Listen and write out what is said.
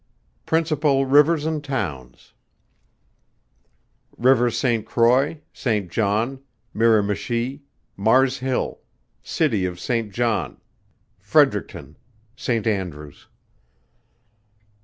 PRINCIPAL RIVERS AND TOWNS. _River St. Croix. St. John. Miramichi. Mars Hill. City of St. John. Fredericton. St. Andrews.